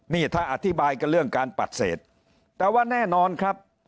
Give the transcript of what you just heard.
นี่ถ้าอธิบายกันเรื่องการปัดเศษแต่ว่าแน่นอนครับ